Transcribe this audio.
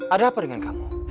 ada apa dengan kamu